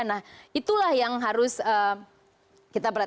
nah itulah yang harus kita berat